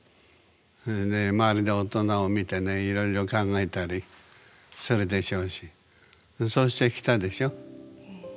それで周りの大人を見てねいろいろ考えたりするでしょうしそうしてきたでしょ。